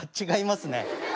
違いますね。